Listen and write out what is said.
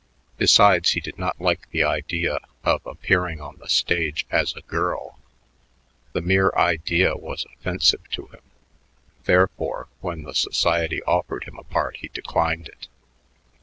Besides, he did not like the idea of appearing on the stage as a girl; the mere idea was offensive to him. Therefore, when the Society offered him a part he declined it.